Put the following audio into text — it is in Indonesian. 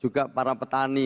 juga para petani